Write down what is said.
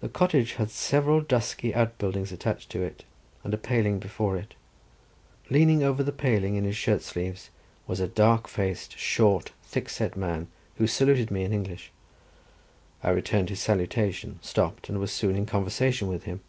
The cottage had several dusky outbuildings attached to it, and a paling before it. Leaning over the paling in his shirt sleeves was a dark faced, short, thickset man, who saluted me in English. I returned his salutation, stopped, and was soon in conversation with him.